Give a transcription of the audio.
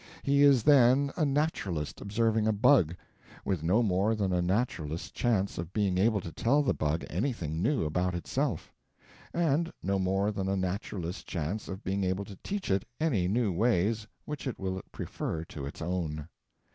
He is then a naturalist observing a bug, with no more than a naturalist's chance of being able to tell the bug anything new about itself, and no more than a naturalist's chance of being able to teach it any new ways which it will prefer to its own.